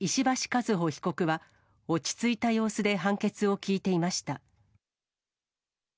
和歩被告は、落ち着いた様子で判決を聞いていました。